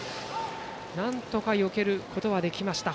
なんとかよけることはできました。